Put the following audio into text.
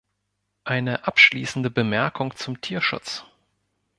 Eine abschließende Bemerkung zum Tierschutz.